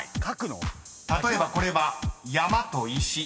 ［例えばこれは山と石］